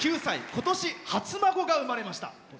今年、初孫が生まれました。